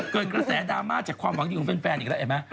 เกิดกระแสดราม่าจากความหวังดีของแฟนอีกแล้วเห็นไหม